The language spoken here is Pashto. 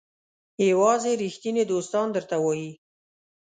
یوازې ریښتیني دوستان درته وایي.